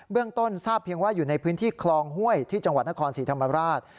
เรื่องต้นทราบเพียงว่าอยู่ในพื้นที่คลองห้วยที่จังหวัดนครศรีธรรมราช